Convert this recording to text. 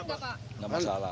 aman gak masalah